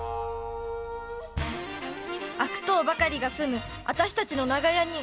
悪党ばかりが住む私たちの長屋に。